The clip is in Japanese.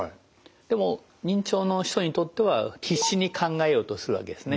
でも認知症の人にとっては必死に考えようとするわけですね。